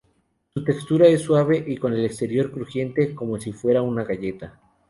Su textura es suave y con el exterior crujiente, como si fuera una galleta.